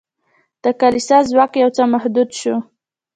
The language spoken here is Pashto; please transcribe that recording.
د کلیسا ځواک یو څه محدود شو.